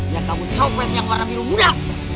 yang kamu copet yang warna biru muda